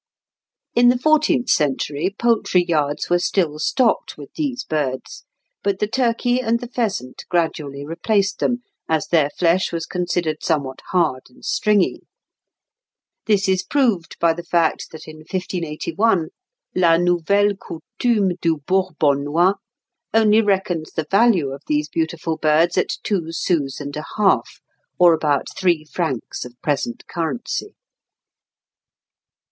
In the fourteenth century poultry yards were still stocked with these birds; but the turkey and the pheasant gradually replaced them, as their flesh was considered somewhat hard and stringy. This is proved by the fact that in 1581, "La Nouvelle Coutume du Bourbonnois" only reckons the value of these beautiful birds at two sous and a half, or about three francs of present currency.